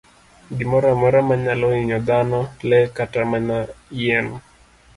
Gimoro amora manyalo hinyo dhano, le, kata mana yien.